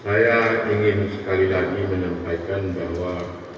saya ingin sekali lagi menyampaikan bahwa